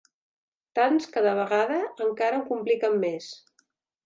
Tants que de vegades encara ho compliquen més.